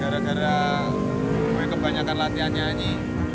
gara gara kebanyakan latihan nyanyi